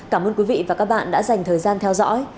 cảm ơn quý vị và các bạn đã dành thời gian theo dõi